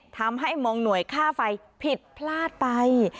ทำให้มองหน่วยค่าไฟผิดพลาดไป